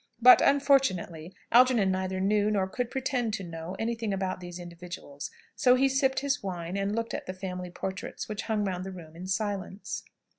But, unfortunately, Algernon neither knew, nor could pretend to know, anything about these individuals, so he sipped his wine, and looked at the family portraits which hung round the room, in silence.